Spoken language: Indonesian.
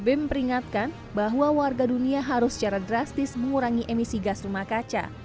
bm peringatkan bahwa warga dunia harus secara drastis mengurangi emisi gas rumah kaca